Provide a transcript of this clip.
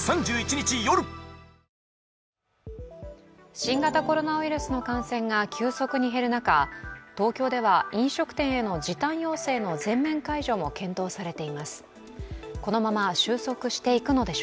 新型コロナウイルスの感染が急速に減る中、東京では飲食店への時短要請の全面解除も検討されています。